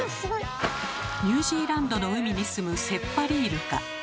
ニュージーランドの海に住むセッパリイルカ。